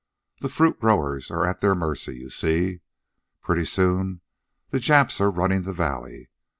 The fruit growers are at their mercy, you see. Pretty soon the Japs are running the valley.